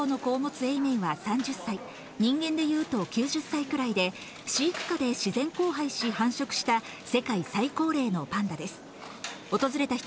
１６頭の子を持つ永明は３０歳、人間でいうと９０歳くらいで、飼育下で自然交配し、繁殖した世界最高齢のパンダです。